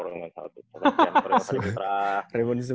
raymond sebastian iiih ini dong